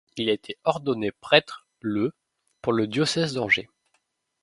Il a été ordonné prêtre le pour le diocèse d'Angers.